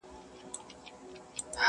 زه هم مسجد هم میکده ستایمه.